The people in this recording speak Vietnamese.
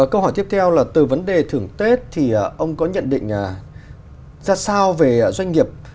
câu hỏi tiếp theo là từ vấn đề thưởng tết thì ông có nhận định ra sao về doanh nghiệp